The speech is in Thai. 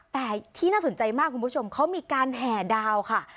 แต่ที่น่าสนใจมากคุณผู้ชมเขามีการแห่ดาวค่ะ